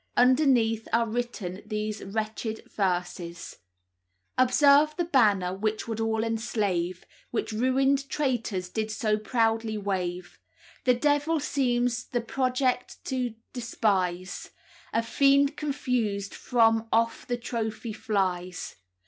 Underneath are written these wretched verses: "Observe the banner which would all enslave, Which ruined traytors did so proudly wave. The devil seems the project to despise; A fiend confused from off the trophy flies.